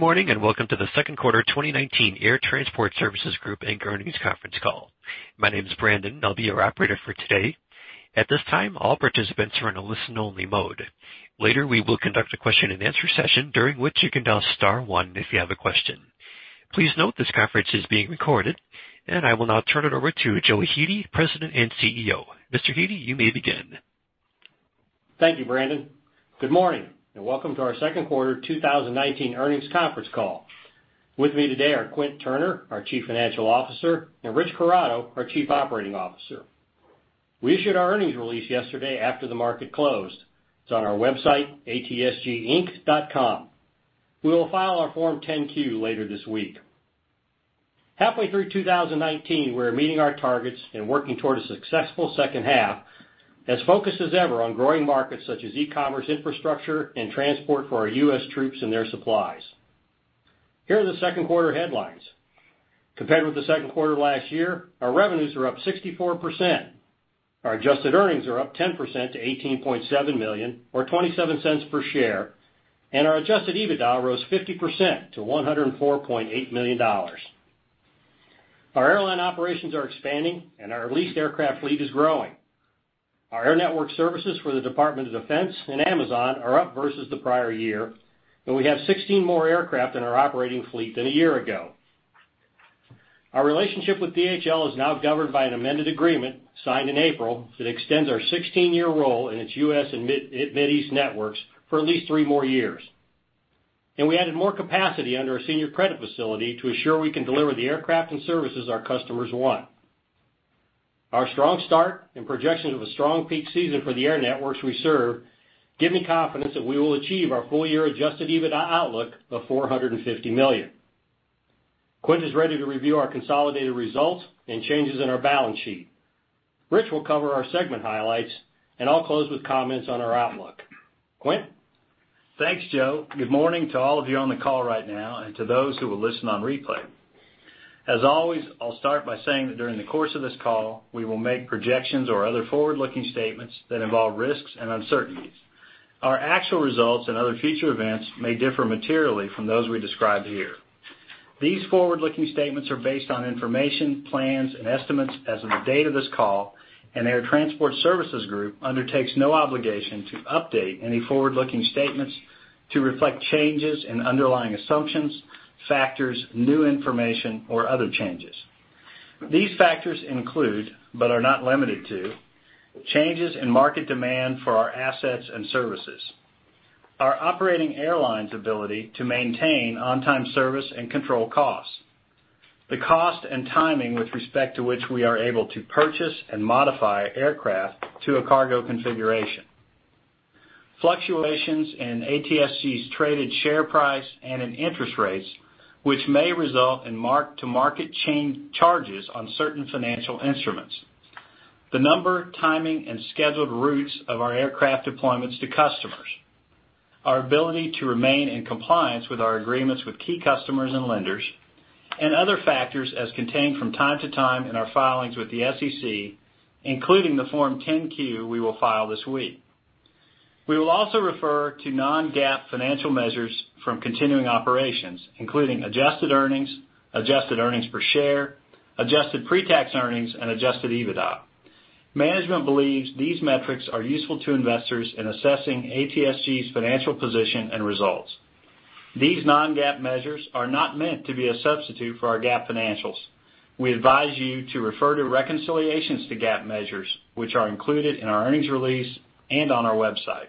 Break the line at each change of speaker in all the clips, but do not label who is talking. Good morning, and welcome to the second quarter 2019 Air Transport Services Group, Inc earnings conference call. My name is Brandon, I'll be your operator for today. At this time, all participants are in a listen-only mode. Later, we will conduct a question and answer session during which you can dial star one if you have a question. Please note this conference is being recorded. I will now turn it over to Joe Hete, President and CEO. Mr. Hete, you may begin.
Thank you, Brandon. Good morning, and welcome to our second quarter 2019 earnings conference call. With me today are Quint Turner, our Chief Financial Officer, and Rich Corrado, our Chief Operating Officer. We issued our earnings release yesterday after the market closed. It's on our website, atsginc.com. We will file our Form 10-Q later this week. Halfway through 2019, we're meeting our targets and working toward a successful second half, as focused as ever on growing markets such as e-commerce infrastructure and transport for our U.S. troops and their supplies. Here are the second quarter headlines. Compared with the second quarter last year, our revenues are up 64%. Our adjusted earnings are up 10% to $18.7 million or $0.27 per share, and our adjusted EBITDA rose 50% to $104.8 million. Our airline operations are expanding, and our leased aircraft fleet is growing. Our Air Network services for the Department of Defense and Amazon are up versus the prior year, and we have 16 more aircraft in our operating fleet than a year ago. Our relationship with DHL is now governed by an amended agreement signed in April that extends our 16-year role in its U.S. and Mid East networks for at least three more years. We added more capacity under our senior credit facility to assure we can deliver the aircraft and services our customers want. Our strong start and projections of a strong peak season for the air networks we serve give me confidence that we will achieve our full-year adjusted EBITDA outlook of $450 million. Quint is ready to review our consolidated results and changes in our balance sheet. Rich will cover our segment highlights, and I'll close with comments on our outlook. Quint?
Thanks, Joe. Good morning to all of you on the call right now and to those who will listen on replay. As always, I'll start by saying that during the course of this call, we will make projections or other forward-looking statements that involve risks and uncertainties. Our actual results and other future events may differ materially from those we describe here. These forward-looking statements are based on information, plans, and estimates as of the date of this call, and Air Transport Services Group undertakes no obligation to update any forward-looking statements to reflect changes in underlying assumptions, factors, new information, or other changes. These factors include, but are not limited to, changes in market demand for our assets and services, our operating airlines' ability to maintain on-time service and control costs, the cost and timing with respect to which we are able to purchase and modify aircraft to a cargo configuration, fluctuations in ATSG's traded share price and in interest rates, which may result in mark-to-market chain charges on certain financial instruments. The number, timing, and scheduled routes of our aircraft deployments to customers, our ability to remain in compliance with our agreements with key customers and lenders, and other factors as contained from time to time in our filings with the SEC, including the Form 10-Q we will file this week. We will also refer to non-GAAP financial measures from continuing operations, including adjusted earnings, adjusted earnings per share, adjusted pre-tax earnings, and adjusted EBITDA. Management believes these metrics are useful to investors in assessing ATSG's financial position and results. These non-GAAP measures are not meant to be a substitute for our GAAP financials. We advise you to refer to reconciliations to GAAP measures, which are included in our earnings release and on our website.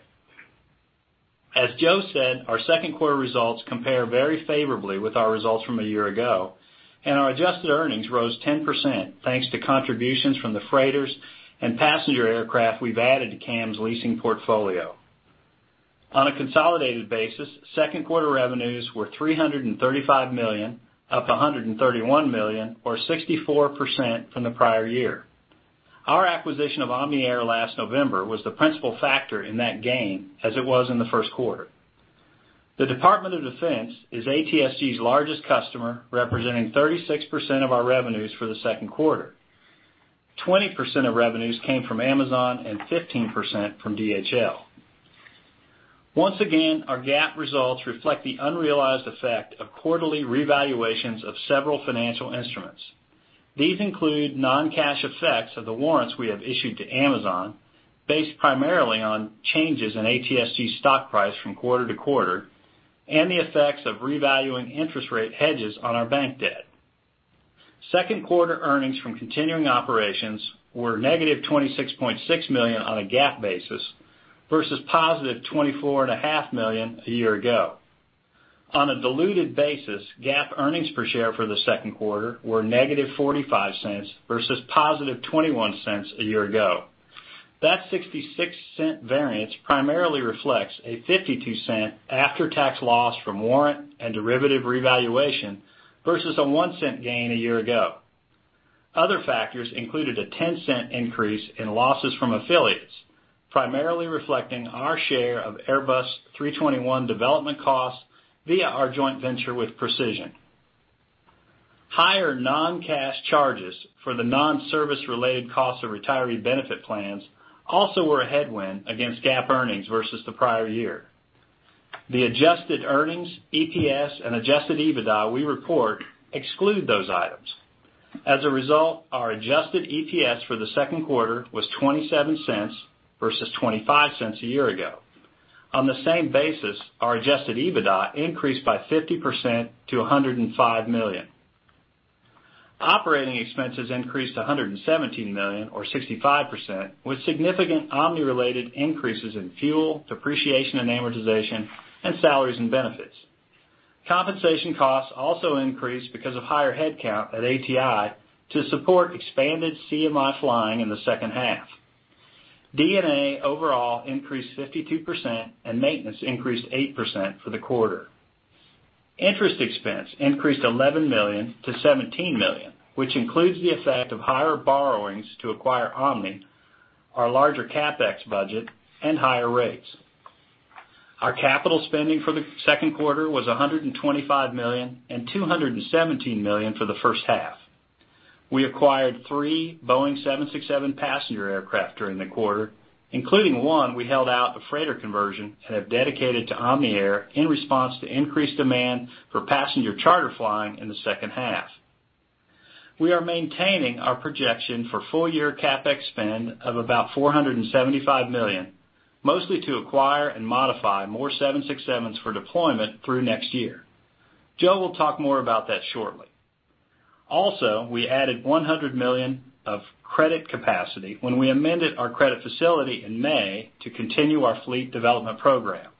As Joe said, our second quarter results compare very favorably with our results from a year ago, and our adjusted earnings rose 10%, thanks to contributions from the freighters and passenger aircraft we've added to CAM's leasing portfolio. On a consolidated basis, second quarter revenues were $335 million, up $131 million or 64% from the prior year. Our acquisition of Omni Air last November was the principal factor in that gain, as it was in the first quarter. The Department of Defense is ATSG's largest customer, representing 36% of our revenues for the second quarter. 20% of revenues came from Amazon and 15% from DHL. Once again, our GAAP results reflect the unrealized effect of quarterly revaluations of several financial instruments. These include non-cash effects of the warrants we have issued to Amazon, based primarily on changes in ATSG stock price from quarter to quarter, and the effects of revaluing interest rate hedges on our bank debt. Second quarter earnings from continuing operations were negative $26.6 million on a GAAP basis versus positive $24.5 million a year ago. On a diluted basis, GAAP earnings per share for the second quarter were negative $0.45 versus positive $0.21 a year ago. That $0.66 variance primarily reflects a $0.52 after-tax loss from warrant and derivative revaluation versus a $0.01 gain a year ago. Other factors included a $0.10 increase in losses from affiliates, primarily reflecting our share of Airbus A321 development costs via our joint venture with Precision. Higher non-cash charges for the non-service related costs of retiree benefit plans also were a headwind against GAAP earnings versus the prior year. The adjusted earnings, EPS, and adjusted EBITDA we report exclude those items. As a result, our adjusted EPS for the second quarter was $0.27 versus $0.25 a year ago. On the same basis, our adjusted EBITDA increased by 50% to $105 million. Operating expenses increased to $117 million or 65%, with significant Omni-related increases in fuel, depreciation and amortization, and salaries and benefits. Compensation costs also increased because of higher headcount at ATI to support expanded CMI flying in the second half. D&A overall increased 52% and maintenance increased 8% for the quarter. Interest expense increased $11 million to $17 million, which includes the effect of higher borrowings to acquire Omni, our larger CapEx budget, and higher rates. Our capital spending for the second quarter was $125 million and $217 million for the first half. We acquired three Boeing 767 passenger aircraft during the quarter, including one we held out for freighter conversion and have dedicated to Omni Air in response to increased demand for passenger charter flying in the second half. We are maintaining our projection for full-year CapEx spend of about $475 million, mostly to acquire and modify more 767s for deployment through next year. Joe will talk more about that shortly. We added $100 million of credit capacity when we amended our credit facility in May to continue our fleet development program.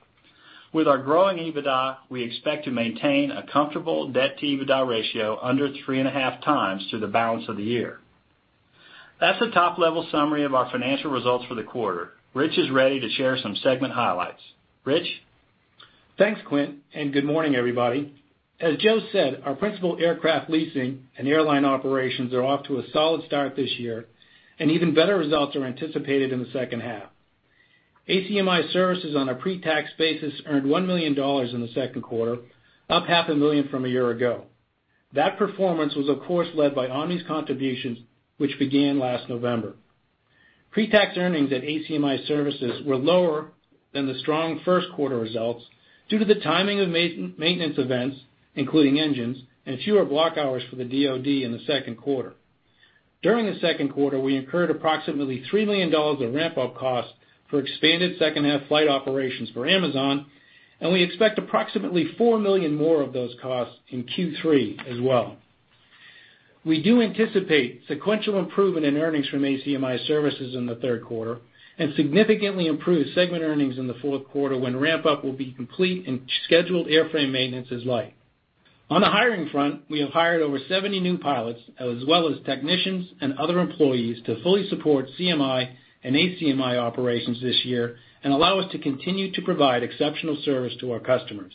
With our growing EBITDA, we expect to maintain a comfortable debt-to-EBITDA ratio under 3.5x through the balance of the year. That's a top-level summary of our financial results for the quarter. Rich is ready to share some segment highlights. Rich?
Thanks, Quint, and good morning, everybody. As Joe said, our principal aircraft leasing and airline operations are off to a solid start this year, and even better results are anticipated in the second half. ACMI services on a pre-tax basis earned $1 million in the second quarter, up half a million from a year ago. That performance was, of course, led by Omni's contributions, which began last November. Pre-tax earnings at ACMI services were lower than the strong first quarter results due to the timing of maintenance events, including engines, and fewer block hours for the DoD in the second quarter. During the second quarter, we incurred approximately $3 million of ramp-up costs for expanded second half flight operations for Amazon, and we expect approximately $4 million more of those costs in Q3 as well. We do anticipate sequential improvement in earnings from ACMI services in the third quarter, and significantly improved segment earnings in the fourth quarter when ramp-up will be complete and scheduled airframe maintenance is light. On the hiring front, we have hired over 70 new pilots, as well as technicians and other employees, to fully support CMI and ACMI operations this year and allow us to continue to provide exceptional service to our customers.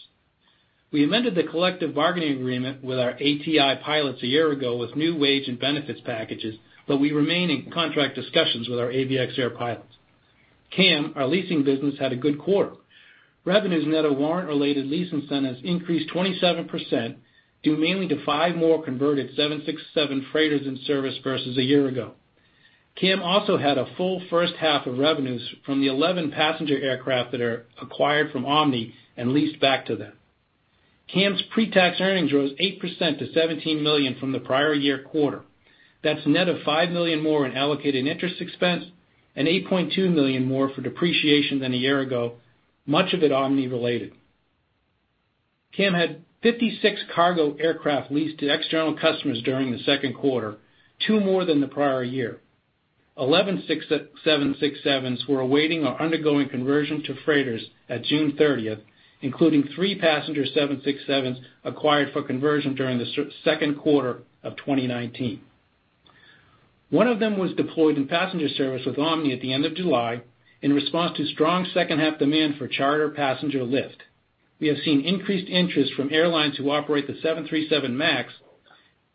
We amended the collective bargaining agreement with our ATI pilots a year ago with new wage and benefits packages, but we remain in contract discussions with our ABX Air pilots. CAM, our leasing business, had a good quarter. Revenues net of warrant-related lease incentives increased 27% due mainly to five more converted 767 freighters in service versus a year ago. CAM also had a full first half of revenues from the 11 passenger aircraft that are acquired from Omni and leased back to them. CAM's pre-tax earnings rose 8% to $17 million from the prior year quarter. That's net of $5 million more in allocated interest expense and $8.2 million more for depreciation than a year ago, much of it Omni-related. CAM had 56 cargo aircraft leased to external customers during the second quarter, two more than the prior year. 11 767s were awaiting or undergoing conversion to freighters at June 30th, including three passenger 767s acquired for conversion during the second quarter of 2019. One of them was deployed in passenger service with Omni at the end of July in response to strong second half demand for charter passenger lift. We have seen increased interest from airlines who operate the 737 MAX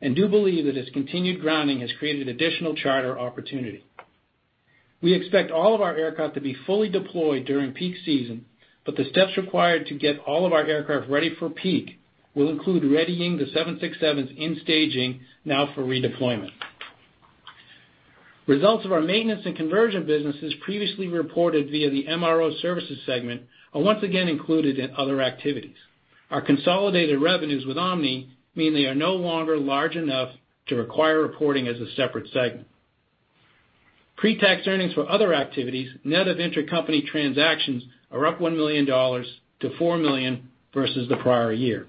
and do believe that its continued grounding has created additional charter opportunity. We expect all of our aircraft to be fully deployed during peak season, but the steps required to get all of our aircraft ready for peak will include readying the 767s in staging now for redeployment. Results of our maintenance and conversion businesses previously reported via the MRO Services segment are once again included in other activities. Our consolidated revenues with Omni mean they are no longer large enough to require reporting as a separate segment. Pre-tax earnings for other activities, net of intercompany transactions, are up $1 million-$4 million versus the prior year.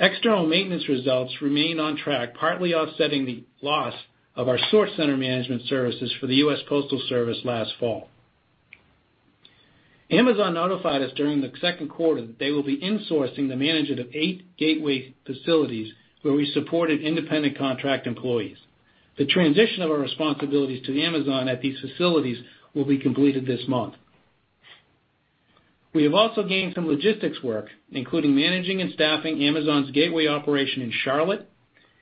External maintenance results remain on track, partly offsetting the loss of our sort center management services for the U.S. Postal Service last fall. Amazon notified us during the second quarter that they will be insourcing the management of eight gateway facilities where we supported independent contract employees. The transition of our responsibilities to Amazon at these facilities will be completed this month. We have also gained some logistics work, including managing and staffing Amazon's gateway operation in Charlotte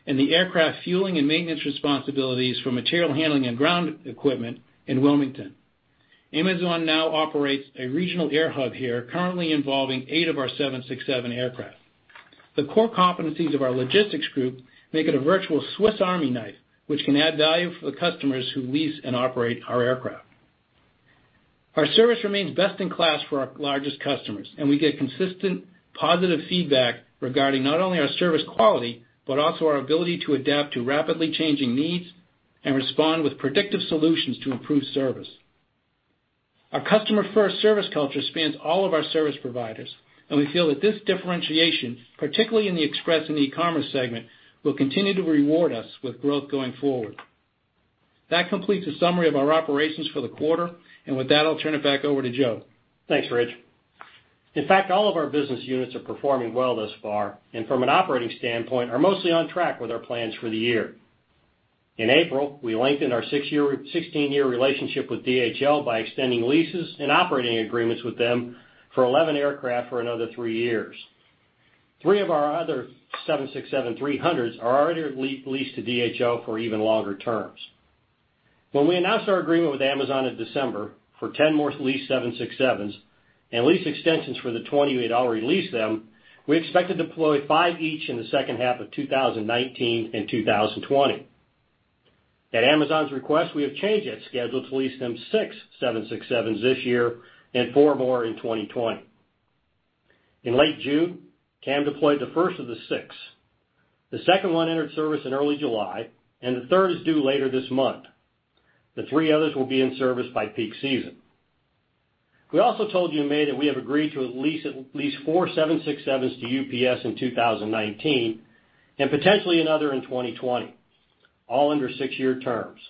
and the aircraft fueling and maintenance responsibilities for material handling and ground equipment in Wilmington. Amazon now operates a regional air hub here, currently involving eight of our 767 aircraft. The core competencies of our logistics group make it a virtual Swiss Army knife, which can add value for the customers who lease and operate our aircraft. Our service remains best in class for our largest customers, and we get consistent, positive feedback regarding not only our service quality, but also our ability to adapt to rapidly changing needs and respond with predictive solutions to improve service. Our customer-first service culture spans all of our service providers, and we feel that this differentiation, particularly in the express and e-commerce segment, will continue to reward us with growth going forward. That completes a summary of our operations for the quarter. With that, I'll turn it back over to Joe.
Thanks, Rich. In fact, all of our business units are performing well thus far, and from an operating standpoint, are mostly on track with our plans for the year. In April, we lengthened our 16-year relationship with DHL by extending leases and operating agreements with them for 11 aircraft for another three years. Three of our other 767-300s are already leased to DHL for even longer terms. When we announced our agreement with Amazon in December for 10 more leased 767s and lease extensions for the 20 we had already leased them, we expected to deploy five each in the second half of 2019 and 2020. At Amazon's request, we have changed that schedule to lease them six 767s this year and four more in 2020. In late June, CAM deployed the first of the six. The second one entered service in early July, and the third is due later this month. The three others will be in service by peak season. We also told you in May that we have agreed to lease four 767s to UPS in 2019, and potentially another in 2020, all under six-year terms.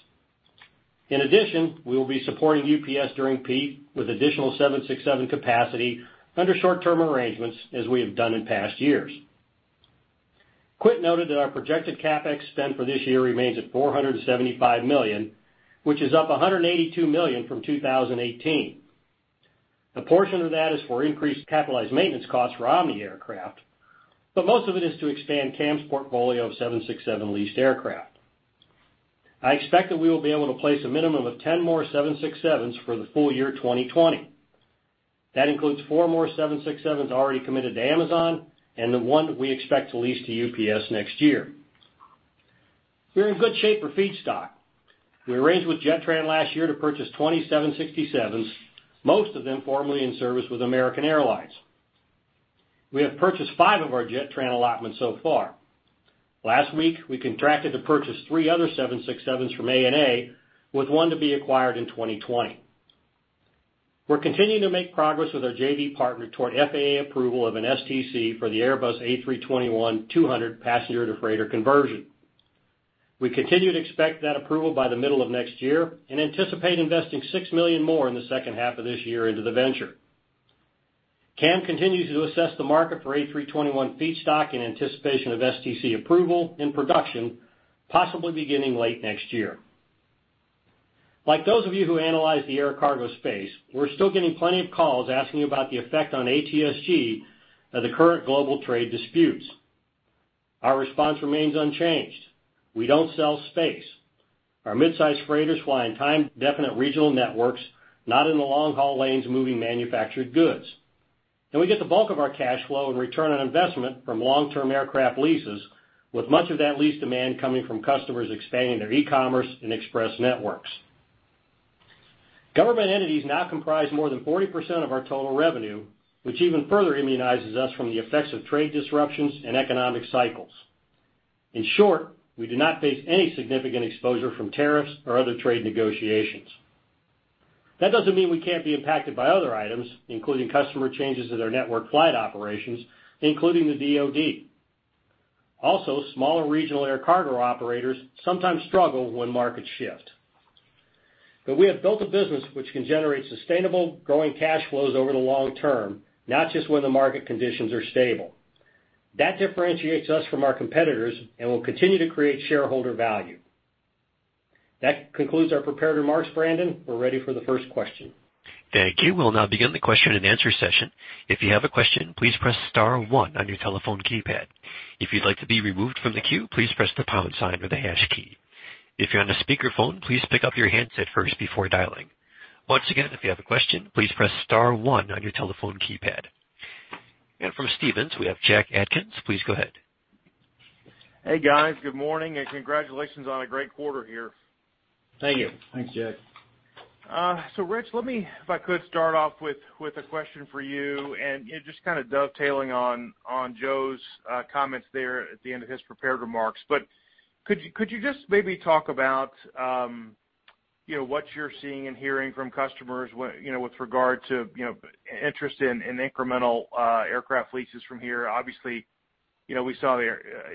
In addition, we will be supporting UPS during peak with additional 767 capacity under short-term arrangements as we have done in past years. Quint noted that our projected CapEx spend for this year remains at $475 million, which is up $182 million from 2018. A portion of that is for increased capitalized maintenance costs for omni aircraft, but most of it is to expand CAM's portfolio of 767 leased aircraft. I expect that we will be able to place a minimum of 10 more 767s for the full year 2020. That includes four more 767s already committed to Amazon and the one we expect to lease to UPS next year. We're in good shape for feedstock. We arranged with Jetran last year to purchase 20 767s, most of them formerly in service with American Airlines. We have purchased five of our Jetran allotment so far. Last week, we contracted to purchase three other 767s from ANA, with one to be acquired in 2020. We're continuing to make progress with our JV partner toward FAA approval of an STC for the Airbus A321-200 passenger-to-freighter conversion. We continue to expect that approval by the middle of next year and anticipate investing $6 million more in the second half of this year into the venture. CAM continues to assess the market for A321 feedstock in anticipation of STC approval and production, possibly beginning late next year. Like those of you who analyze the air cargo space, we're still getting plenty of calls asking about the effect on ATSG of the current global trade disputes. Our response remains unchanged. We don't sell space. Our midsize freighters fly in time-definite regional networks, not in the long-haul lanes moving manufactured goods. We get the bulk of our cash flow and return on investment from long-term aircraft leases, with much of that lease demand coming from customers expanding their e-commerce and express networks. Government entities now comprise more than 40% of our total revenue, which even further immunizes us from the effects of trade disruptions and economic cycles. In short, we do not face any significant exposure from tariffs or other trade negotiations. That doesn't mean we can't be impacted by other items, including customer changes to their network flight operations, including the DoD. Smaller regional air cargo operators sometimes struggle when markets shift. We have built a business which can generate sustainable growing cash flows over the long term, not just when the market conditions are stable. That differentiates us from our competitors and will continue to create shareholder value. That concludes our prepared remarks, Brandon. We're ready for the first question.
Thank you. We'll now begin the question and answer session. If you have a question, please press star one on your telephone keypad. If you'd like to be removed from the queue, please press the pound sign or the hash key. If you're on a speakerphone, please pick up your handset first before dialing. Once again, if you have a question, please press star one on your telephone keypad. From Stephens, we have Jack Atkins. Please go ahead.
Hey, guys. Good morning, and congratulations on a great quarter here.
Thank you.
Thanks, Jack.
Rich, let me, if I could, start off with a question for you, and just kind of dovetailing on Joe's comments there at the end of his prepared remarks. Could you just maybe talk about what you're seeing and hearing from customers with regard to interest in incremental aircraft leases from here? Obviously, we saw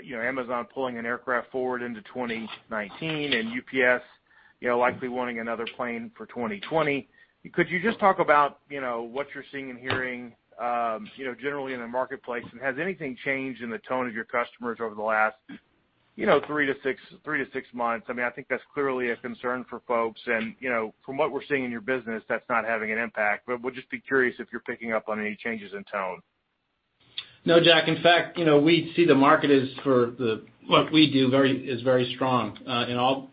Amazon pulling an aircraft forward into 2019 and UPS likely wanting another plane for 2020. Could you just talk about what you're seeing and hearing generally in the marketplace, and has anything changed in the tone of your customers over the last three to six months? I think that's clearly a concern for folks, and from what we're seeing in your business, that's not having an impact. We'll just be curious if you're picking up on any changes in tone.
No, Jack. In fact, we see the market is, for what we do, is very strong,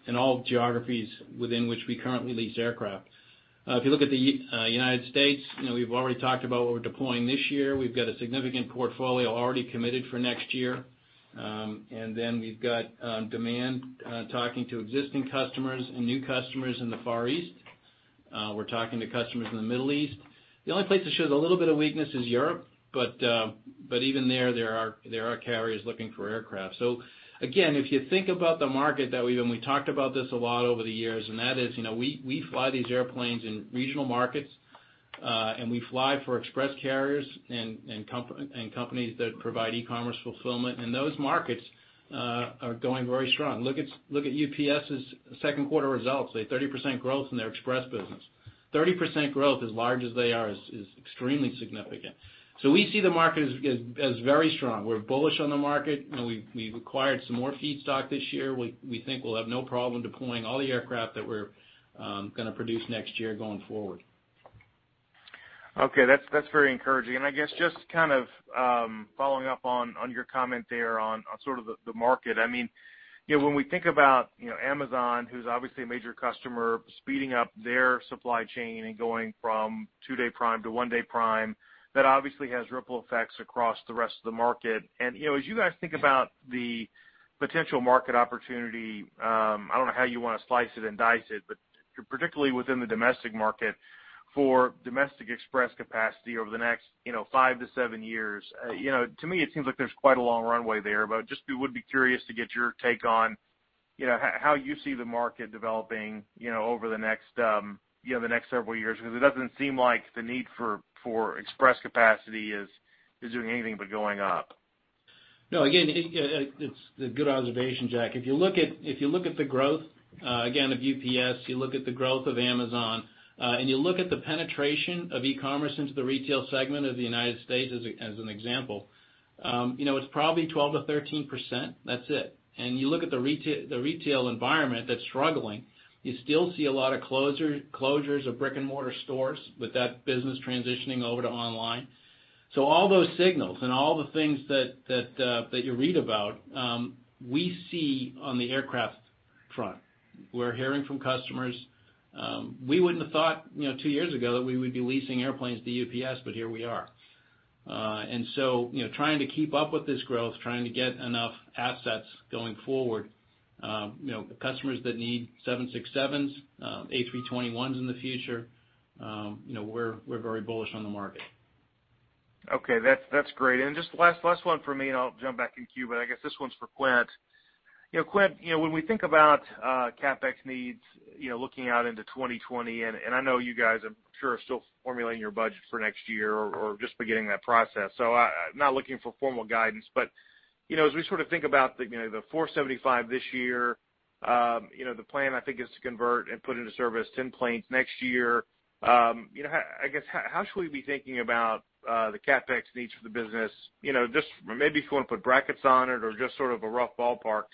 in all geographies within which we currently lease aircraft. If you look at the U.S., we've already talked about what we're deploying this year. We've got a significant portfolio already committed for next year. We've got demand, talking to existing customers and new customers in the Far East. We're talking to customers in the Middle East. The only place that shows a little bit of weakness is Europe, even there are carriers looking for aircraft. Again, if you think about the market that we've talked about this a lot over the years, that is, we fly these airplanes in regional markets, we fly for express carriers and companies that provide e-commerce fulfillment. Those markets are going very strong. Look at UPS's second quarter results, a 30% growth in their express business. 30% growth, as large as they are, is extremely significant. We see the market as very strong. We're bullish on the market. We've acquired some more feedstock this year. We think we'll have no problem deploying all the aircraft that we're going to produce next year going forward.
Okay. That's very encouraging. I guess just kind of following up on your comment there on sort of the market. When we think about Amazon, who's obviously a major customer, speeding up their supply chain and going from Two-Day Prime to One-Day Prime, that obviously has ripple effects across the rest of the market. As you guys think about the potential market opportunity, I don't know how you want to slice it and dice it, particularly within the domestic market for domestic express capacity over the next five to seven years, to me, it seems like there's quite a long runway there. Just would be curious to get your take on how you see the market developing over the next several years, because it doesn't seem like the need for express capacity is doing anything but going up.
No, again, it's a good observation, Jack. If you look at the growth, again, of UPS, you look at the growth of Amazon, and you look at the penetration of e-commerce into the retail segment of the U.S. as an example, it's probably 12%-13%. That's it. You look at the retail environment that's struggling, you still see a lot of closures of brick-and-mortar stores, with that business transitioning over to online. All those signals and all the things that you read about, we see on the aircraft front. We're hearing from customers. We wouldn't have thought two years ago that we would be leasing airplanes to UPS, but here we are. Trying to keep up with this growth, trying to get enough assets going forward. The customers that need 767s, A321s in the future, we're very bullish on the market.
Okay. That's great. Just last one from me, and I'll jump back in queue. I guess this one's for Quint. Quint, when we think about CapEx needs, looking out into 2020, I know you guys, I'm sure, are still formulating your budget for next year or just beginning that process. I'm not looking for formal guidance. As we sort of think about the $475 this year, the plan, I think, is to convert and put into service 10 planes next year. I guess, how should we be thinking about the CapEx needs for the business? Just maybe if you want to put brackets on it or just sort of a rough ballpark.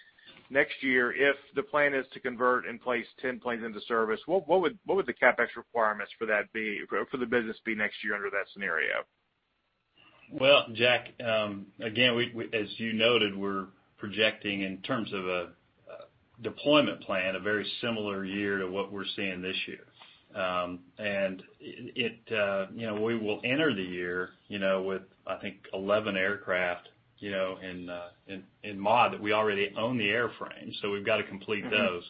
Next year, if the plan is to convert and place 10 planes into service, what would the CapEx requirements for the business be next year under that scenario?
Well, Jack, again, as you noted, we're projecting, in terms of a deployment plan, a very similar year to what we're seeing this year. We will enter the year with, I think, 11 aircraft in mod that we already own the airframe. We've got to complete those.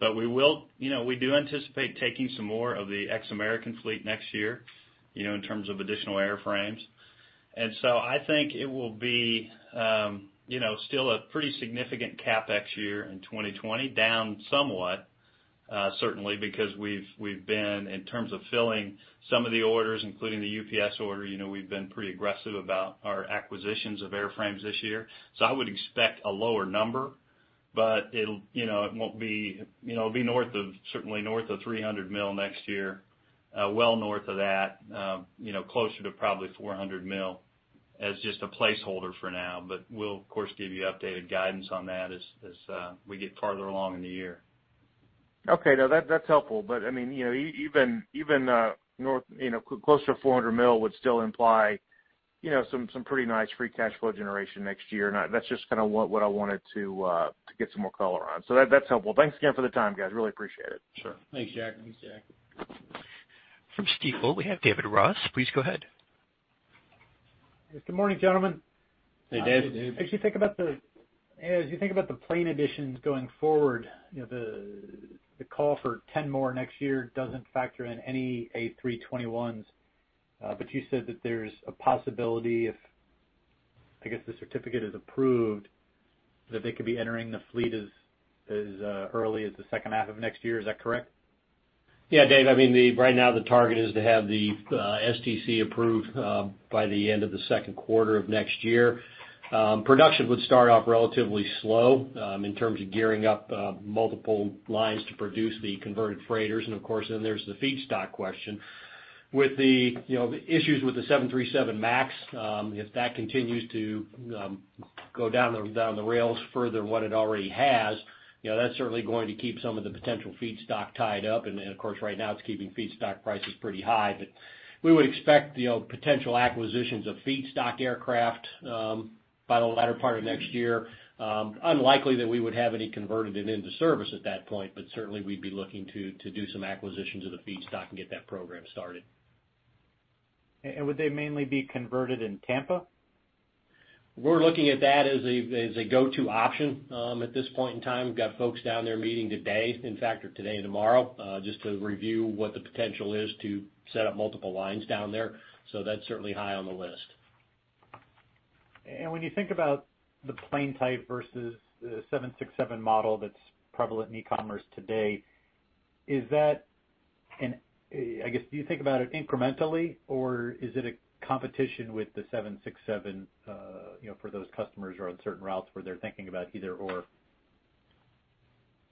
We do anticipate taking some more of the ex-American fleet next year, in terms of additional airframes. I think it will be still a pretty significant CapEx year in 2020, down somewhat, certainly because we've been, in terms of filling some of the orders, including the UPS order, we've been pretty aggressive about our acquisitions of airframes this year. I would expect a lower number, but it'll be certainly north of $300 million next year. Well north of that, closer to probably $400 million, as just a placeholder for now. We'll, of course, give you updated guidance on that as we get farther along in the year.
Okay. No, that's helpful. Even closer to $400 million would still imply some pretty nice free cash flow generation next year. That's just kind of what I wanted to get some more color on. That's helpful. Thanks again for the time, guys. Really appreciate it.
Sure. Thanks, Jack.
Thanks, Jack.
From Stifel, we have David Ross. Please go ahead.
Good morning, gentlemen.
Hey, Dave.
As you think about the plane additions going forward, the call for 10 more next year doesn't factor in any A321s. You said that there's a possibility if, I guess, the certificate is approved, that they could be entering the fleet as early as the second half of next year. Is that correct?
Yeah, Dave. Right now, the target is to have the STC approved by the end of the second quarter of next year. Production would start off relatively slow in terms of gearing up multiple lines to produce the converted freighters, and of course, then there's the feedstock question. With the issues with the 737 MAX, if that continues to go down the rails further than what it already has, that's certainly going to keep some of the potential feedstock tied up. Of course, right now, it's keeping feedstock prices pretty high. We would expect potential acquisitions of feedstock aircraft. By the latter part of next year. Unlikely that we would have any converted and into service at that point, but certainly we'd be looking to do some acquisitions of the feedstock and get that program started.
Would they mainly be converted in Tampa?
We're looking at that as a go-to option at this point in time. We've got folks down there meeting today, in fact, or today and tomorrow, just to review what the potential is to set up multiple lines down there. That's certainly high on the list.
When you think about the plane type versus the 767 model that's prevalent in e-commerce today, I guess, do you think about it incrementally, or is it a competition with the 767 for those customers who are on certain routes where they're thinking about either/or?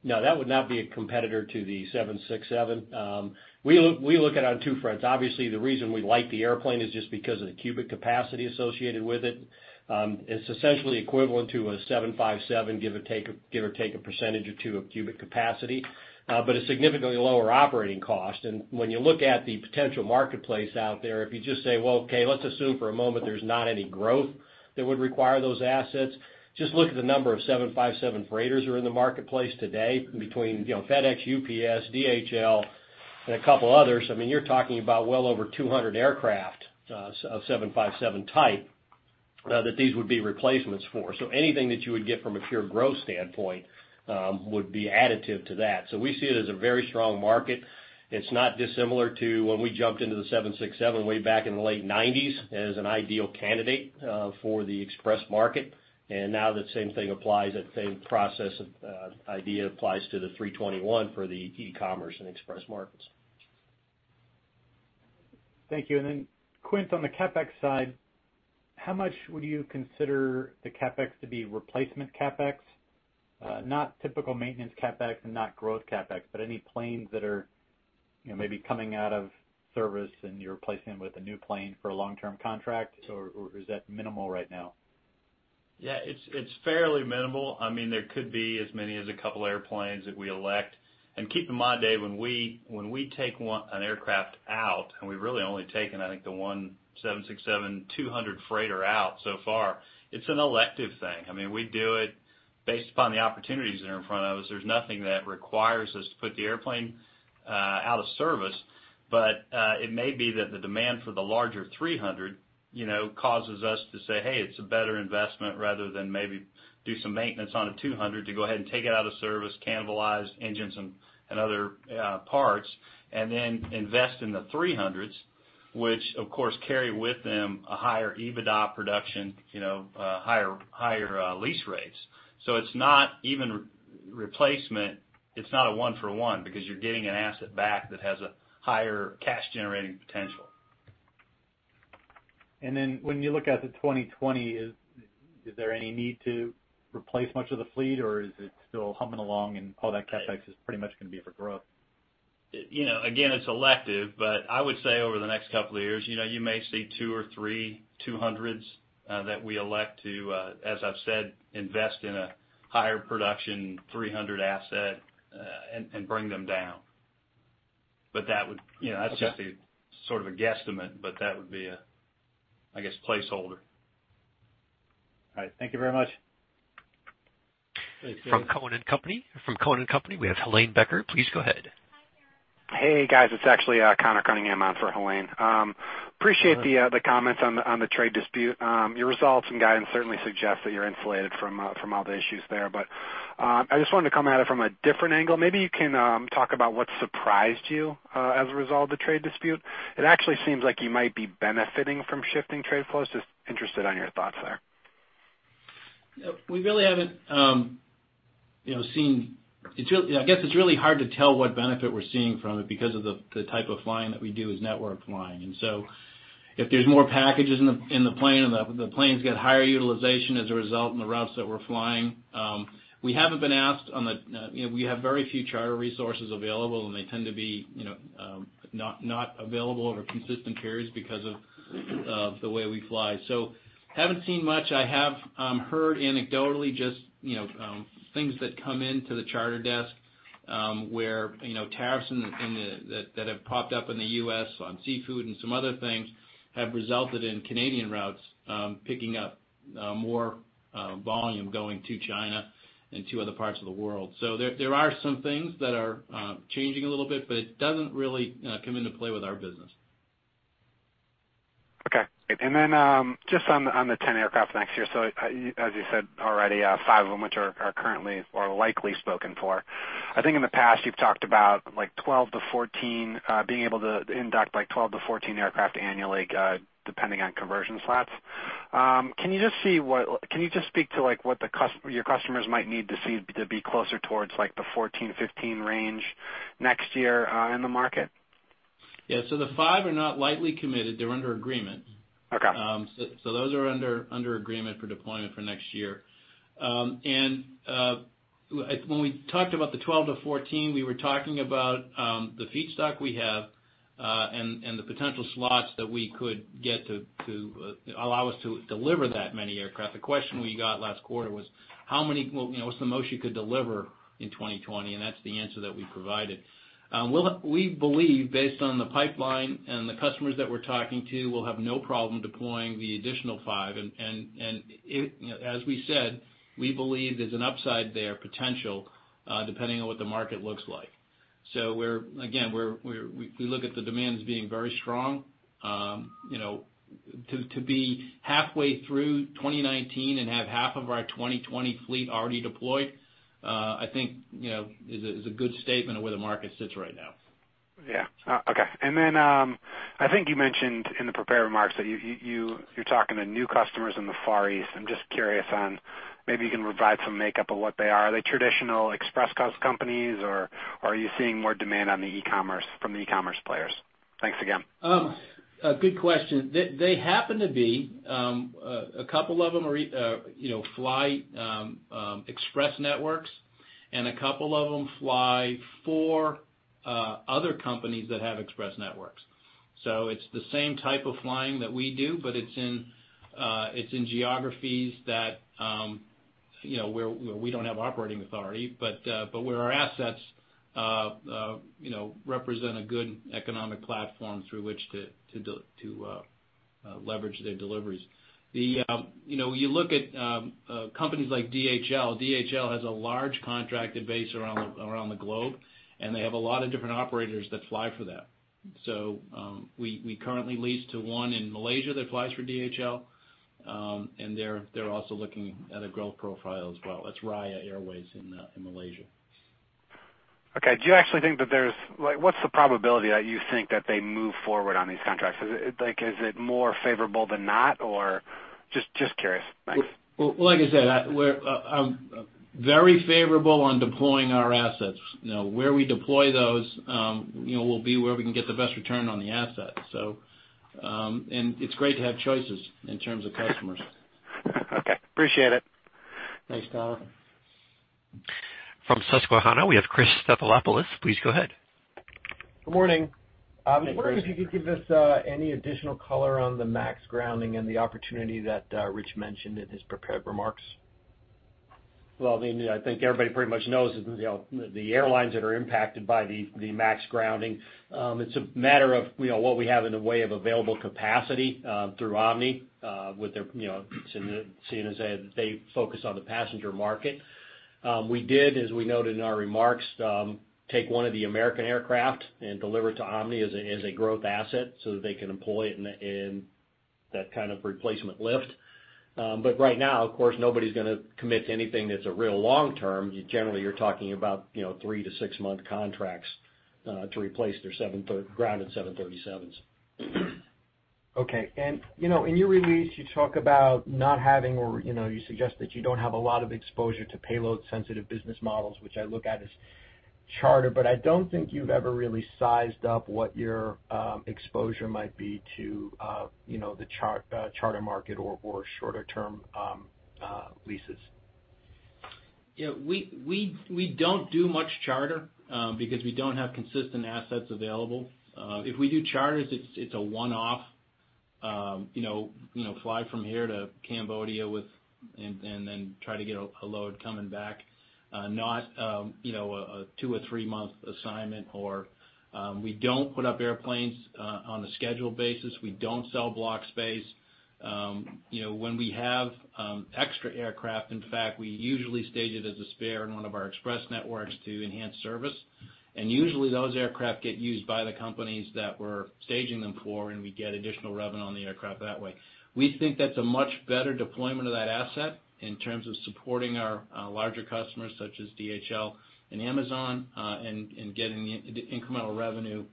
No, that would not be a competitor to the 767. We look at it on two fronts. Obviously, the reason we like the airplane is just because of the cubic capacity associated with it. It's essentially equivalent to a 757, give or take a percentage or two of cubic capacity, but a significantly lower operating cost. When you look at the potential marketplace out there, if you just say, well, okay, let's assume for a moment there's not any growth that would require those assets. Just look at the number of 757 freighters that are in the marketplace today between FedEx, UPS, DHL, and a couple of others. I mean, you're talking about well over 200 aircraft of 757 type that these would be replacements for. Anything that you would get from a pure growth standpoint would be additive to that. We see it as a very strong market. It's not dissimilar to when we jumped into the 767 way back in the late '90s as an ideal candidate for the express market, and now that same thing applies, that same process of idea applies to the 321 for the e-commerce and express markets.
Thank you. Quint, on the CapEx side, how much would you consider the CapEx to be replacement CapEx? Not typical maintenance CapEx and not growth CapEx, but any planes that are maybe coming out of service and you're replacing with a new plane for a long-term contract, or is that minimal right now?
Yeah, it's fairly minimal. There could be as many as a couple airplanes that we elect. Keep in mind, Dave, when we take an aircraft out, and we've really only taken, I think, the one 767-200 freighter out so far, it's an elective thing. We do it based upon the opportunities that are in front of us. There's nothing that requires us to put the airplane out of service. It may be that the demand for the larger 300 causes us to say, "Hey, it's a better investment," rather than maybe do some maintenance on a 200 to go ahead and take it out of service, cannibalize engines and other parts, and then invest in the 300s, which of course carry with them a higher EBITDA production, higher lease rates. It's not even replacement. It's not a one for one because you're getting an asset back that has a higher cash-generating potential.
When you look out to 2020, is there any need to replace much of the fleet, or is it still humming along and all that CapEx is pretty much going to be for growth?
Again, it's elective, but I would say over the next couple of years, you may see two or three 200s that we elect to, as I've said, invest in a higher production 300 asset and bring them down.
Okay
Sort of a guesstimate, but that would be, I guess, placeholder.
All right. Thank you very much.
Thanks, Dave.
From Cowen and Company, we have Helane Becker. Please go ahead.
Hi, there. Hey, guys. It's actually Conor Cunningham on for Helane. Appreciate the comments on the trade dispute. Your results and guidance certainly suggest that you're insulated from all the issues there. I just wanted to come at it from a different angle. Maybe you can talk about what surprised you as a result of the trade dispute. It actually seems like you might be benefiting from shifting trade flows. Just interested on your thoughts there.
I guess it's really hard to tell what benefit we're seeing from it because of the type of flying that we do is network flying. If there's more packages in the plane and the planes get higher utilization as a result in the routes that we're flying, we have very few charter resources available, and they tend to be not available over consistent carriers because of the way we fly. Haven't seen much. I have heard anecdotally just things that come into the charter desk, where tariffs that have popped up in the U.S. on seafood and some other things have resulted in Canadian routes picking up more volume going to China and to other parts of the world. There are some things that are changing a little bit, but it doesn't really come into play with our business.
Okay. Just on the 10 aircraft next year, as you said already, five of them which are currently or likely spoken for. I think in the past you've talked about being able to induct 12 to 14 aircraft annually depending on conversion slots. Can you just speak to what your customers might need to see to be closer towards the 14, 15 range next year in the market?
Yeah. The five are not lightly committed. They're under agreement.
Okay.
Those are under agreement for deployment for next year. When we talked about the 12-14, we were talking about the feedstock we have and the potential slots that we could get to allow us to deliver that many aircraft. The question we got last quarter was, "What's the most you could deliver in 2020?" That's the answer that we provided. We believe, based on the pipeline and the customers that we're talking to, we'll have no problem deploying the additional five, and as we said, we believe there's an upside there, potential, depending on what the market looks like. Again, we look at the demands being very strong. To be halfway through 2019 and have half of our 2020 fleet already deployed, I think is a good statement of where the market sits right now.
Yeah. Okay. I think you mentioned in the prepared remarks that you're talking to new customers in the Far East. I'm just curious on, maybe you can provide some makeup of what they are. Are they traditional express companies, or are you seeing more demand from the e-commerce players? Thanks again.
Good question. They happen to be, a couple of them fly express networks and a couple of them fly for other companies that have express networks. It's the same type of flying that we do, but it's in geographies where we don't have operating authority, but where our assets represent a good economic platform through which to leverage their deliveries. You look at companies like DHL. DHL has a large contracted base around the globe, and they have a lot of different operators that fly for them. We currently lease to one in Malaysia that flies for DHL, and they're also looking at a growth profile as well. That's Raya Airways in Malaysia.
Okay. What's the probability that you think that they move forward on these contracts? Is it more favorable than not, or? Just curious. Thanks.
Well, like I said, very favorable on deploying our assets. Where we deploy those will be where we can get the best return on the assets. It's great to have choices in terms of customers.
Okay. Appreciate it.
Thanks, Conor.
From Susquehanna, we have Chris Stathopoulos. Please go ahead.
Good morning.
Hey, Chris.
I was wondering if you could give us any additional color on the MAX grounding and the opportunity that Rich mentioned in his prepared remarks.
Well, I think everybody pretty much knows the airlines that are impacted by the MAX grounding. It's a matter of what we have in the way of available capacity through Omni seeing as they focus on the passenger market. We did, as we noted in our remarks, take one of the American aircraft and deliver it to Omni as a growth asset so that they can employ it in that kind of replacement lift. Right now, of course, nobody's going to commit to anything that's a real long-term. Generally, you're talking about three to six-month contracts to replace their grounded 737s.
Okay. In your release, you talk about not having, or you suggest that you don't have a lot of exposure to payload-sensitive business models, which I look at as charter, but I don't think you've ever really sized up what your exposure might be to the charter market or shorter-term leases.
Yeah. We don't do much charter, because we don't have consistent assets available. If we do charters, it's a one-off, fly from here to Cambodia and then try to get a load coming back, not a two or three-month assignment. We don't put up airplanes on a scheduled basis. We don't sell block space. When we have extra aircraft, in fact, we usually stage it as a spare in one of our express networks to enhance service. Usually those aircraft get used by the companies that we're staging them for, and we get additional revenue on the aircraft that way. We think that's a much better deployment of that asset in terms of supporting our larger customers, such as DHL and Amazon, and getting the incremental revenue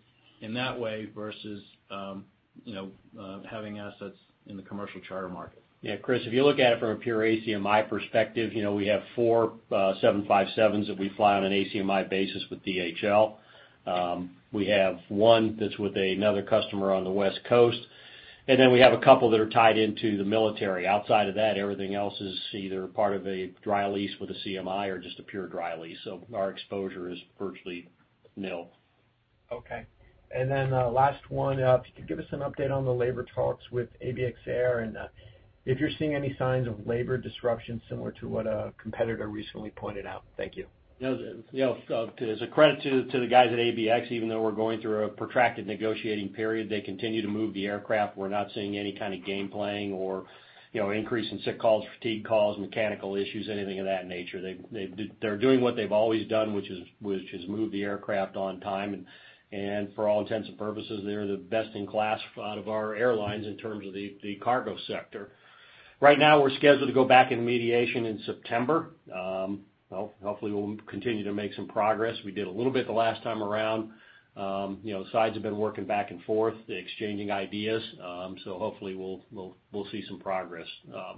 in that way versus having assets in the commercial charter market.
Yeah, Chris, if you look at it from a pure ACMI perspective, we have four 757s that we fly on an ACMI basis with DHL. We have one that's with another customer on the West Coast, and then we have a couple that are tied into the military. Outside of that, everything else is either part of a dry lease with a CMI or just a pure dry lease. Our exposure is virtually nil.
Okay. Last one. If you could give us an update on the labor talks with ABX Air, and if you're seeing any signs of labor disruption similar to what a competitor recently pointed out. Thank you.
No. As a credit to the guys at ABX, even though we're going through a protracted negotiating period, they continue to move the aircraft. We're not seeing any kind of game-playing or increase in sick calls, fatigue calls, mechanical issues, anything of that nature. They're doing what they've always done, which is move the aircraft on time, and for all intents and purposes, they're the best in class out of our airlines in terms of the cargo sector. Right now, we're scheduled to go back in mediation in September. Hopefully, we'll continue to make some progress. We did a little bit the last time around. Sides have been working back and forth, exchanging ideas. Hopefully we'll see some progress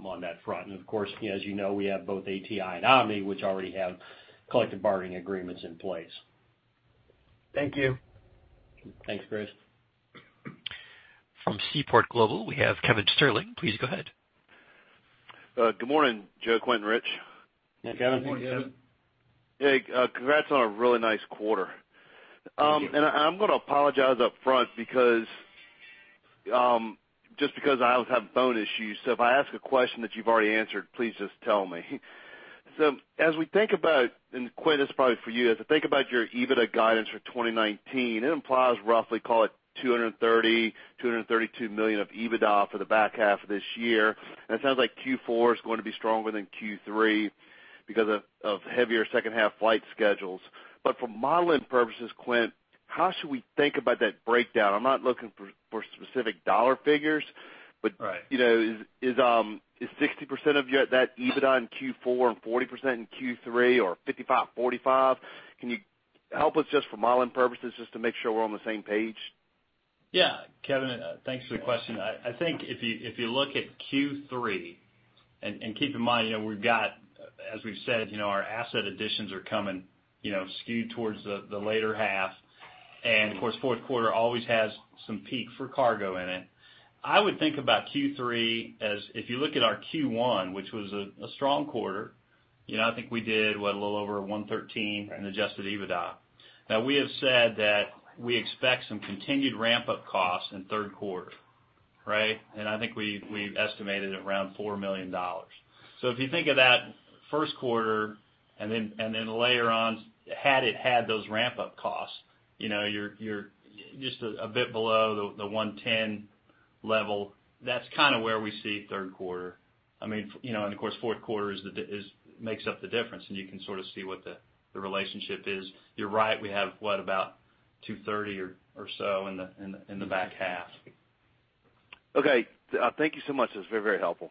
on that front. Of course, as you know, we have both ATI and Omni, which already have collective bargaining agreements in place.
Thank you.
Thanks, Chris.
From Seaport Global, we have Kevin Sterling. Please go ahead.
Good morning, Joe, Quint and Rich.
Hey, Kevin.
Morning, Kevin.
Hey, congrats on a really nice quarter.
Thank you.
I'm going to apologize up front just because I always have phone issues. If I ask a question that you've already answered, please just tell me. As we think about, and Quint, this is probably for you, as we think about your EBITDA guidance for 2019, it implies roughly, call it $230 million, $232 million of EBITDA for the back half of this year. It sounds like Q4 is going to be stronger than Q3 because of heavier second half flight schedules. For modeling purposes, Quint, how should we think about that breakdown? I'm not looking for specific dollar figures.
Right.
Is 60% of that EBITDA in Q4 and 40% in Q3, or 55/45? Can you help us just for modeling purposes just to make sure we're on the same page?
Yeah. Kevin, thanks for the question. If you look at Q3, keep in mind, as we've said, our asset additions are coming skewed towards the later half. Of course, fourth quarter always has some peak for cargo in it. I would think about Q3 as, if you look at our Q1, which was a strong quarter, I think we did, what, a little over $113 in adjusted EBITDA. We have said that we expect some continued ramp-up costs in third quarter, right? I think we've estimated around $4 million. If you think of that first quarter, later on, had it had those ramp-up costs, you're just a bit below the $110 level. That's kind of where we see third quarter. Of course, fourth quarter makes up the difference, you can sort of see what the relationship is. You're right, we have, what, about 230 or so in the back half.
Okay. Thank you so much. That's very helpful.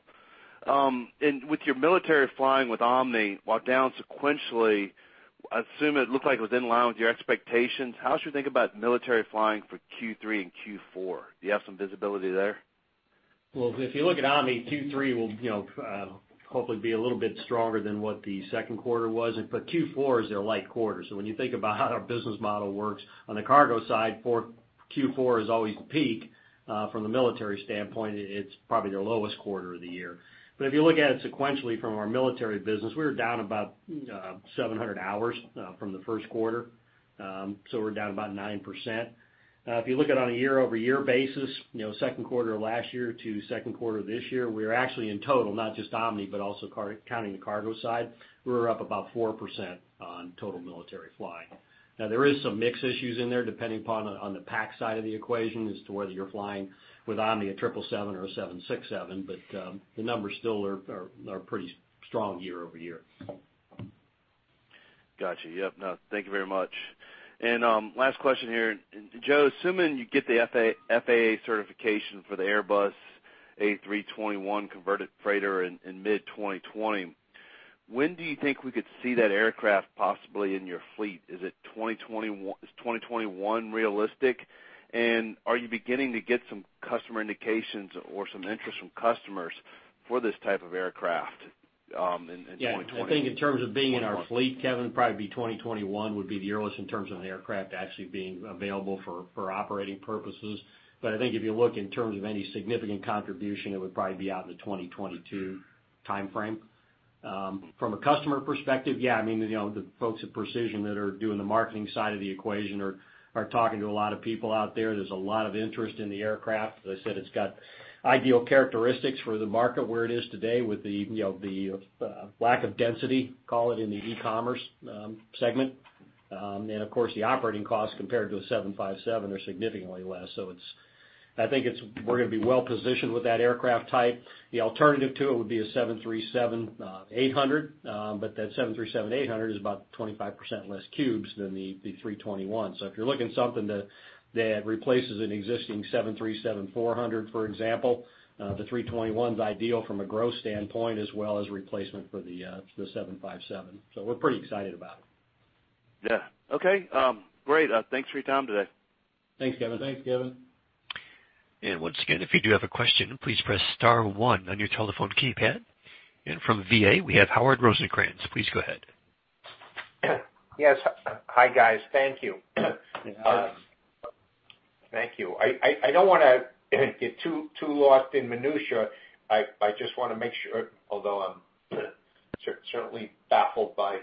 With your military flying with Omni, while down sequentially, I assume it looked like it was in line with your expectations. How should we think about military flying for Q3 and Q4? Do you have some visibility there?
Well, if you look at Omni, Q3 will hopefully be a little bit stronger than what the second quarter was. Q4 is their light quarter. When you think about how our business model works, on the cargo side, Q4 is always the peak. From the military standpoint, it's probably their lowest quarter of the year. If you look at it sequentially from our military business, we were down about 700 hours from the first quarter. We're down about 9%. If you look at it on a year-over-year basis, second quarter of last year to second quarter this year, we are actually, in total, not just Omni, but also counting the cargo side, we were up about 4% on total military flying. There is some mix issues in there, depending upon on the PAC side of the equation as to whether you're flying with Omni, a 777 or a 767, but the numbers still are pretty strong year-over-year.
Got you. Yep. No, thank you very much. Last question here. Joe, assuming you get the FAA certification for the Airbus A321 converted freighter in mid 2020, when do you think we could see that aircraft possibly in your fleet? Is 2021 realistic? Are you beginning to get some customer indications or some interest from customers for this type of aircraft in 2021?
Yeah, I think in terms of being in our fleet, Kevin, probably be 2021 would be the earliest in terms of the aircraft actually being available for operating purposes. I think if you look in terms of any significant contribution, it would probably be out in the 2022 timeframe. From a customer perspective, yeah, the folks at Precision that are doing the marketing side of the equation are talking to a lot of people out there. There's a lot of interest in the aircraft. As I said, it's got ideal characteristics for the market where it is today with the lack of density, call it, in the e-commerce segment. Of course, the operating costs compared to a 757 are significantly less. I think we're going to be well positioned with that aircraft type. The alternative to it would be a 737-800, but that 737-800 is about 25% less cubes than the 321. If you're looking at something that replaces an existing 737-400, for example, the 321's ideal from a growth standpoint as well as replacement for the 757. We're pretty excited about it.
Yeah. Okay. Great. Thanks for your time today.
Thanks, Kevin.
Thanks, Kevin.
Once again, if you do have a question, please press star one on your telephone keypad. From VA, we have Howard Rosencranz. Please go ahead.
Yes. Hi, guys. Thank you.
Yeah.
Thank you. I don't want to get too locked in minutia. I just want to make sure, although I'm certainly baffled by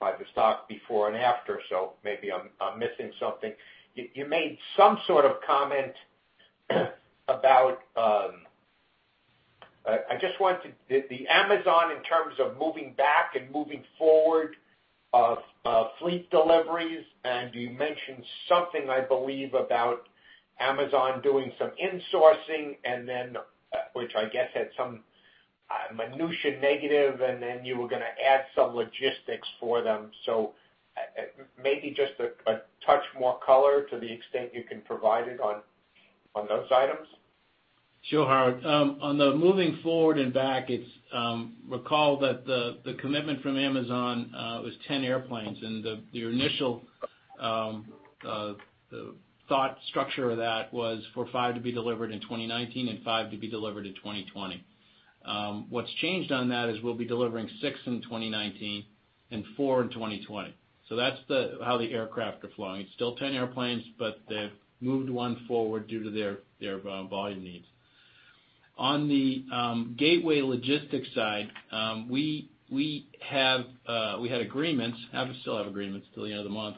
the stock before and after, maybe I'm missing something. You made some sort of comment about the Amazon in terms of moving back and moving forward of fleet deliveries, and you mentioned something, I believe, about Amazon doing some insourcing, which I guess had some minutia negative, and then you were going to add some logistics for them. Maybe just a touch more color to the extent you can provide it on those items.
Sure, Howard. On the moving forward and back, recall that the commitment from Amazon was 10 airplanes, and the initial thought structure of that was for five to be delivered in 2019 and five to be delivered in 2020. What's changed on that is we'll be delivering six in 2019. Four in 2020. That's how the aircraft are flying. It's still 10 airplanes, but they've moved one forward due to their volume needs. On the gateway logistics side, we had agreements, and still have agreements till the end of the month,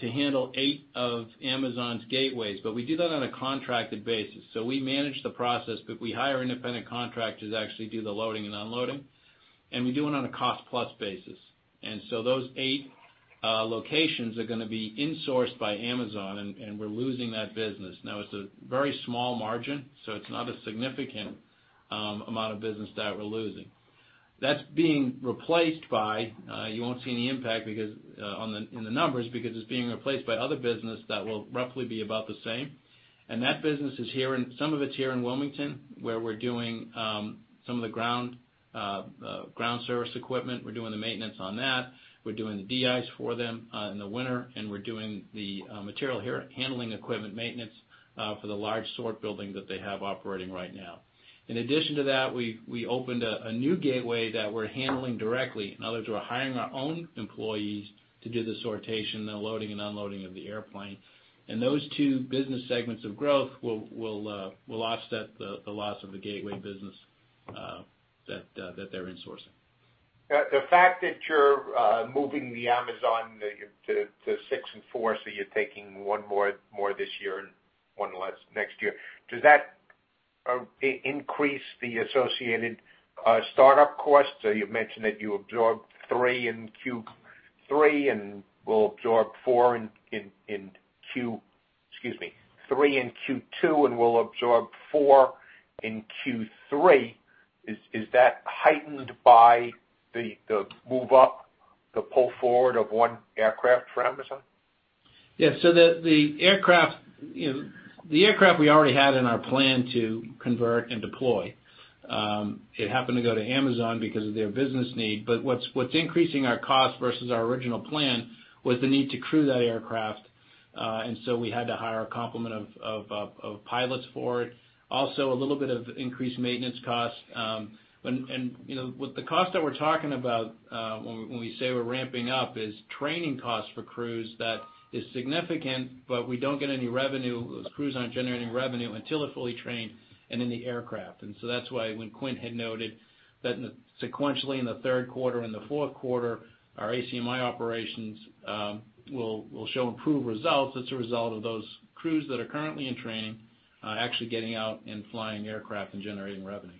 to handle eight of Amazon's gateways. We do that on a contracted basis. We manage the process, but we hire independent contractors to actually do the loading and unloading, and we do it on a cost-plus basis. Those eight locations are going to be insourced by Amazon, and we're losing that business. Now, it's a very small margin, so it's not a significant amount of business that we're losing. That's being replaced by, you won't see any impact in the numbers because it's being replaced by other business that will roughly be about the same. Some of it's here in Wilmington, where we're doing some of the ground service equipment. We're doing the maintenance on that. We're doing the de-ice for them in the winter, and we're doing the material handling equipment maintenance for the large sort building that they have operating right now. In addition to that, we opened a new gateway that we're handling directly. In other words, we're hiring our own employees to do the sortation, the loading and unloading of the airplane. Those two business segments of growth will offset the loss of the gateway business that they're insourcing.
The fact that you're moving the Amazon to six and four, so you're taking one more this year and one less next year, does that increase the associated startup costs? You mentioned that you absorbed three in Q3 and will absorb four, excuse me, three in Q2, and will absorb four in Q3. Is that heightened by the move up, the pull forward of one aircraft for Amazon?
Yeah. The aircraft we already had in our plan to convert and deploy. It happened to go to Amazon because of their business need. What's increasing our cost versus our original plan was the need to crew that aircraft. We had to hire a complement of pilots for it. Also, a little bit of increased maintenance cost. With the cost that we're talking about when we say we're ramping up is training costs for crews. That is significant, but we don't get any revenue. Those crews aren't generating revenue until they're fully trained and in the aircraft. That's why when Quint had noted that sequentially in the third quarter and the fourth quarter, our ACMI operations will show improved results as a result of those crews that are currently in training actually getting out and flying aircraft and generating revenue.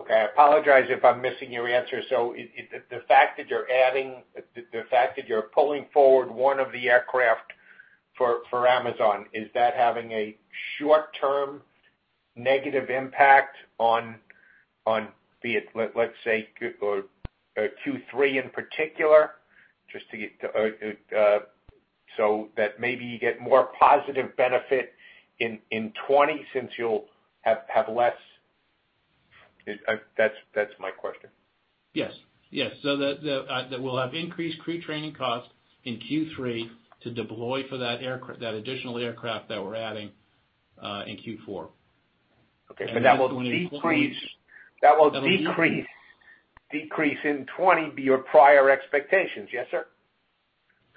Okay. I apologize if I'm missing your answer. The fact that you're pulling forward one of the aircraft for Amazon, is that having a short-term negative impact on, be it, let's say, Q3 in particular? That maybe you get more positive benefit in 2020 since you'll have That's my question.
Yes. That we'll have increased crew training costs in Q3 to deploy for that additional aircraft that we're adding in Q4.
Okay. That will decrease in 2020 your prior expectations. Yes, sir?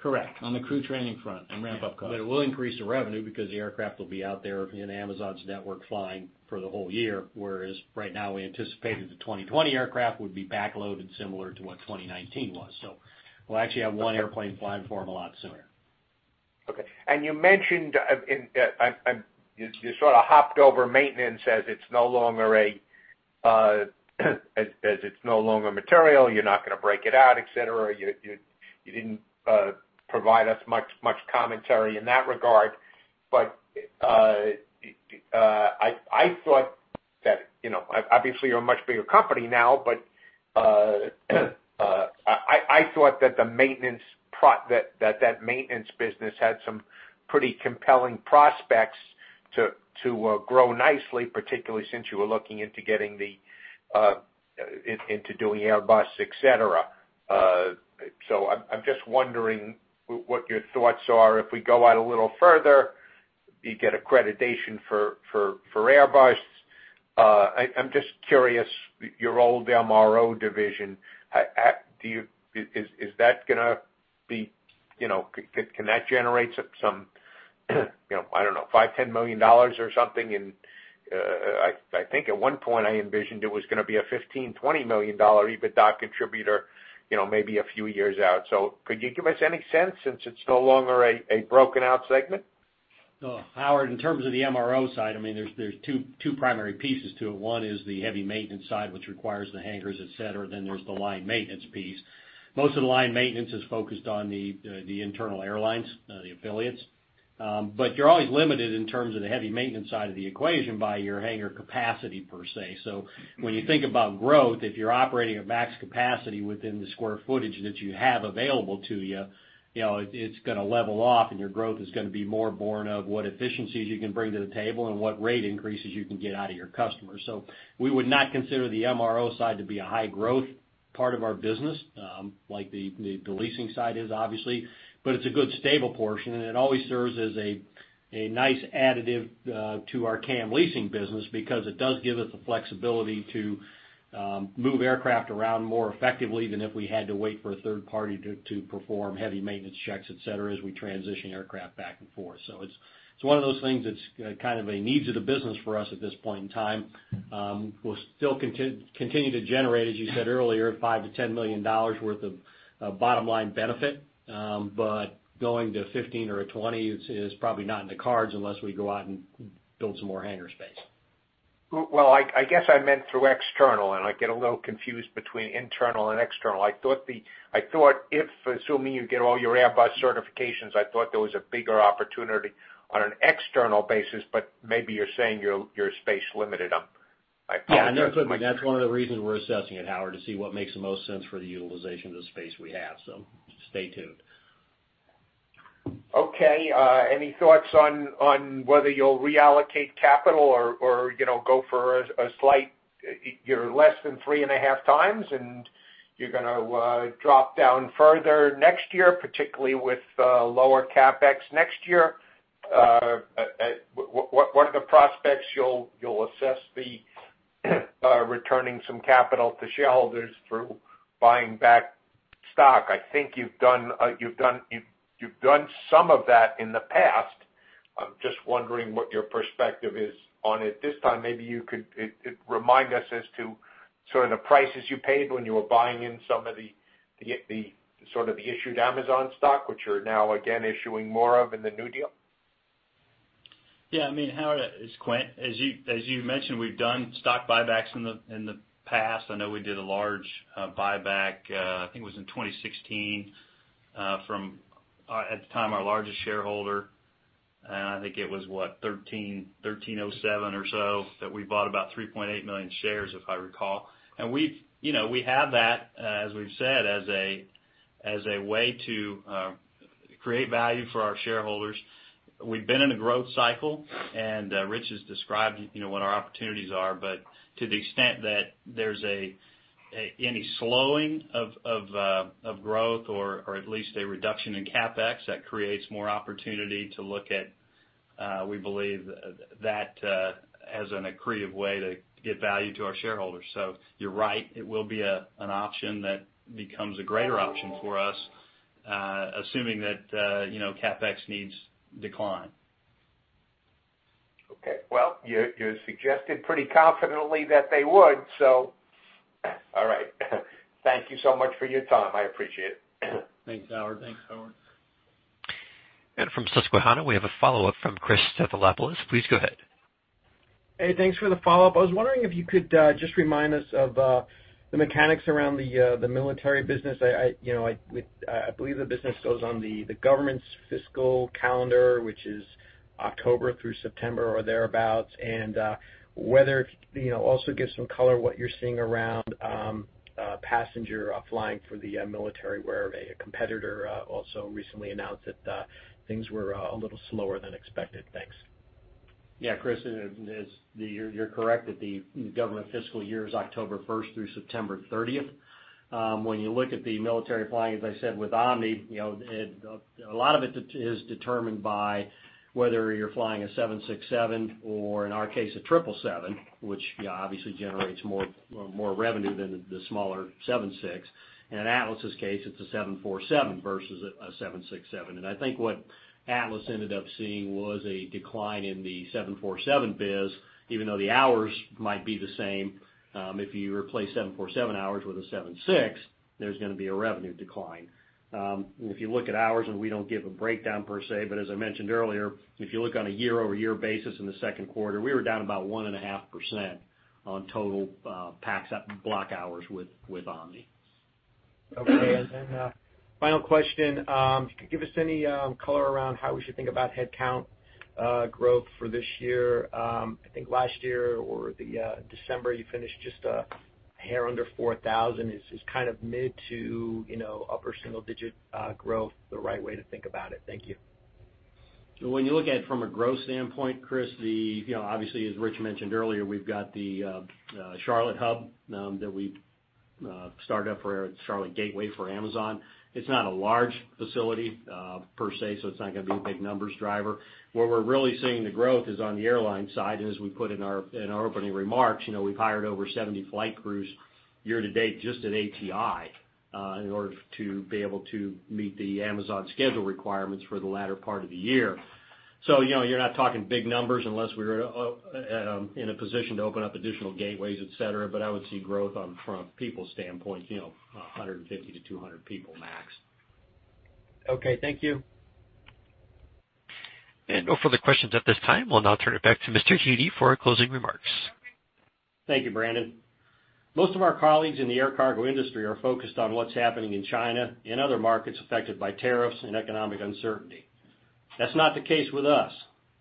Correct. On the crew training front and ramp-up cost.
It will increase the revenue because the aircraft will be out there in Amazon's network flying for the whole year, whereas right now we anticipated the 2020 aircraft would be back-loaded similar to what 2019 was. We'll actually have one airplane flying for them a lot sooner.
Okay. You mentioned, you sort of hopped over maintenance as it's no longer material. You're not going to break it out, et cetera. You didn't provide us much commentary in that regard. I thought that, obviously, you're a much bigger company now, but I thought that that maintenance business had some pretty compelling prospects to grow nicely, particularly since you were looking into doing Airbus, et cetera. I'm just wondering what your thoughts are if we go out a little further, you get accreditation for Airbus. I'm just curious, your old MRO division, can that generate some, I don't know, $5 million, $10 million or something? I think at one point, I envisioned it was going to be a $15 million, $20 million EBITDA contributor maybe a few years out. Could you give us any sense, since it's no longer a broken-out segment?
Howard, in terms of the MRO side, there's two primary pieces to it. One is the heavy maintenance side, which requires the hangars, et cetera, then there's the line maintenance piece. Most of the line maintenance is focused on the internal airlines, the affiliates. You're always limited in terms of the heavy maintenance side of the equation by your hangar capacity, per se. When you think about growth, if you're operating at max capacity within the square footage that you have available to you, it's going to level off, and your growth is going to be more born of what efficiencies you can bring to the table and what rate increases you can get out of your customers. We would not consider the MRO side to be a high-growth Part of our business, like the leasing side is obviously, but it's a good stable portion, and it always serves as a nice additive to our CAM leasing business because it does give us the flexibility to move aircraft around more effectively than if we had to wait for a third party to perform heavy maintenance checks, et cetera, as we transition aircraft back and forth. It's one of those things that's kind of a needs of the business for us at this point in time. We'll still continue to generate, as you said earlier, $5 million to $10 million worth of bottom-line benefit. Going to $15 or $20 is probably not in the cards unless we go out and build some more hangar space.
Well, I guess I meant through external, and I get a little confused between internal and external. I thought if, assuming you get all your Airbus certifications, I thought there was a bigger opportunity on an external basis, but maybe you're saying you're space limited on.
Yeah, no, that's one of the reasons we're assessing it, Howard, to see what makes the most sense for the utilization of the space we have. Stay tuned.
Okay. Any thoughts on whether you'll reallocate capital or go for a slight, you're less than three and a half times, and you're going to drop down further next year, particularly with lower CapEx next year. What are the prospects you'll assess the returning some capital to shareholders through buying back stock? I think you've done some of that in the past. I'm just wondering what your perspective is on it this time. Maybe you could remind us as to sort of the prices you paid when you were buying in some of the issued Amazon stock, which you're now again issuing more of in the new deal.
Yeah, Howard, it's Quint. As you've mentioned, we've done stock buybacks in the past. I know we did a large buyback, I think it was in 2016, from, at the time, our largest shareholder. I think it was, what, $13.07 or so that we bought about 3.8 million shares, if I recall. We have that, as we've said, as a way to create value for our shareholders. We've been in a growth cycle, Rich has described what our opportunities are. To the extent that there's any slowing of growth or at least a reduction in CapEx, that creates more opportunity to look at, we believe, that as an accretive way to get value to our shareholders. You're right, it will be an option that becomes a greater option for us, assuming that CapEx needs decline.
Okay. Well, you suggested pretty confidently that they would. All right. Thank you so much for your time. I appreciate it.
Thanks, Howard.
Thanks, Howard.
From Susquehanna, we have a follow-up from Chris Stathopoulos. Please go ahead.
Hey, thanks for the follow-up. I was wondering if you could just remind us of the mechanics around the military business. I believe the business goes on the government's fiscal calendar, which is October through September or thereabout. Whether it also gives some color what you're seeing around passenger flying for the military, where a competitor also recently announced that things were a little slower than expected. Thanks.
Yeah, Chris, you're correct that the government fiscal year is October 1st through September 30th. When you look at the military flying, as I said with Omni, a lot of it is determined by whether you're flying a 767 or, in our case, a 777, which obviously generates more revenue than the smaller 76. In Atlas's case, it's a 747 versus a 767. I think what Atlas ended up seeing was a decline in the 747 biz, even though the hours might be the same. If you replace 747 hours with a 76, there's going to be a revenue decline. If you look at ours, and we don't give a breakdown per se, but as I mentioned earlier, if you look on a year-over-year basis in the second quarter, we were down about 1.5% on total pax block hours with Omni.
Okay, final question. If you could give us any color around how we should think about headcount growth for this year. I think last year or December, you finished just a hair under 4,000. Is mid to upper single-digit growth the right way to think about it? Thank you.
When you look at it from a growth standpoint, Chris, obviously, as Rich mentioned earlier, we've got the Charlotte hub that we've started up for Charlotte Gateway for Amazon. It's not a large facility per se, so it's not going to be a big numbers driver. Where we're really seeing the growth is on the airline side, and as we put in our opening remarks, we've hired over 70 flight crews year to date just at ATI in order to be able to meet the Amazon schedule requirements for the latter part of the year. You're not talking big numbers unless we're in a position to open up additional gateways, et cetera. I would see growth from a people standpoint, 150 to 200 people max.
Okay, thank you.
No further questions at this time. We'll now turn it back to Mr. Hete for closing remarks.
Thank you, Brandon. Most of our colleagues in the air cargo industry are focused on what's happening in China and other markets affected by tariffs and economic uncertainty. That's not the case with us.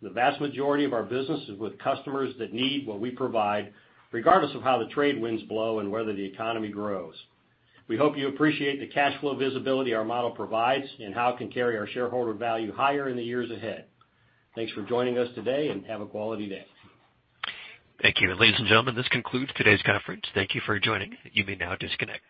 The vast majority of our business is with customers that need what we provide, regardless of how the trade winds blow and whether the economy grows. We hope you appreciate the cash flow visibility our model provides and how it can carry our shareholder value higher in the years ahead. Thanks for joining us today, and have a quality day.
Thank you. Ladies and gentlemen, this concludes today's conference. Thank you for joining. You may now disconnect.